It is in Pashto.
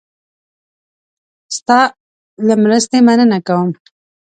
ستا له مرستې مننه کوم.